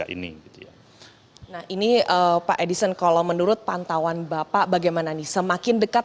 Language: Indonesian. dua ribu dua puluh tiga ini nah ini pak edison kalau menurut pantauan bapak bagaimana nih semakin dekat